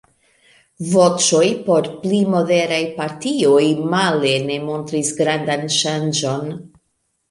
Voĉoj por pli moderaj partioj male ne montris grandan ŝanĝon.